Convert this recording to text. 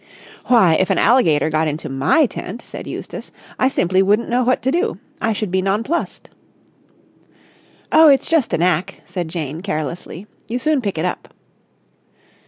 "Why, if an alligator got into my tent," said Eustace, "I simply wouldn't know what to do! I should be nonplussed." "Oh, it's just a knack," said Jane, carelessly. "You soon pick it up."